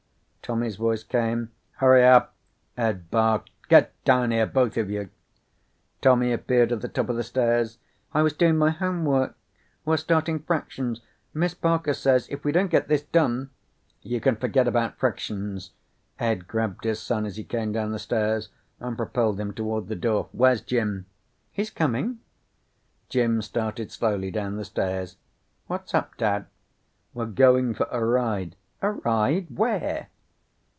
Tommy's voice came. "Hurry up," Ed barked. "Get down here, both of you." Tommy appeared at the top of the stairs. "I was doing my home work. We're starting fractions. Miss Parker says if we don't get this done " "You can forget about fractions." Ed grabbed his son as he came down the stairs and propelled him toward the door. "Where's Jim?" "He's coming." Jim started slowly down the stairs. "What's up, Dad?" "We're going for a ride." "A ride? Where?"